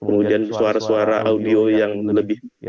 ya kemudian suara suara audio yang lebih baik